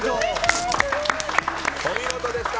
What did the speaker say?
お見事でした！